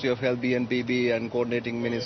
termasuk bnpb dan pemerintah koordinator dan lainnya